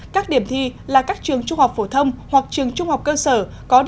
các điểm thi là các trường trung học phổ thông hoặc trường trung học cơ sở có điểm thi